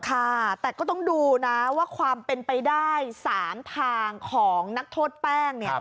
ค่ะแต่ก็ต้องดูนะว่าความเป็นไปได้๓ทางของนักโทษแป้งเนี่ย